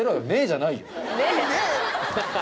じゃないよ